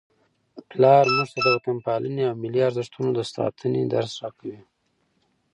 پلار موږ ته د وطنپالنې او ملي ارزښتونو د ساتنې درس راکوي.